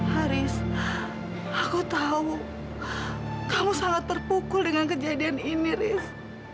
haris aku tahu kamu sangat terpukul dengan kejadian ini ris